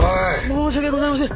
申し訳ございません！